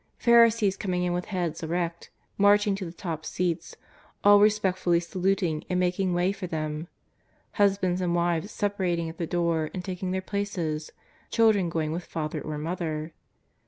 Pharisees coming in with heads erect, marching to the top seats, all respectfully saluting and making way for them. Husbands and wives separating at the door and taking their places, children going with father or mother.